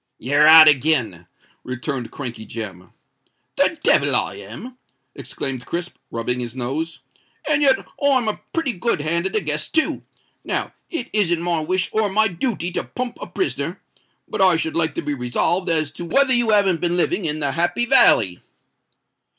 "You're out again," returned Crankey Jem. "The devil I am!" exclaimed Crisp, rubbing his nose. "And yet I'm a pretty good hand at a guess too. Now it isn't my wish or my dooty to pump a prisoner—but I should like to be resolved as to whether you haven't been living in the Happy Valley?"